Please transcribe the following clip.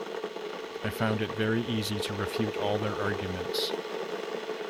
I found it very easy to refute all their arguments.